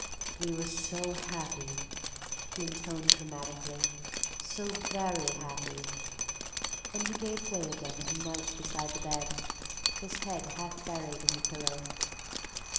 "We were so happy," he intoned dramatically, "so very happy." Then he gave way again and knelt beside the bed, his head half buried in the pillow.